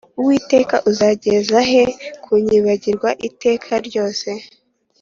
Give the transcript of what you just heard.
Uwiteka uzageza he kunyibagirwa iteka ryose